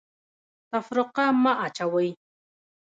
تفرقه مه اچوئ